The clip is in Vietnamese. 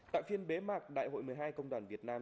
tại phiên bế mạc đại hội một mươi hai công đoàn việt nam